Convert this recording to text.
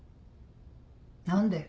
何で？